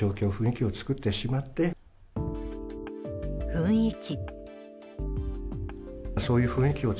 雰囲気。